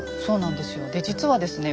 で実はですね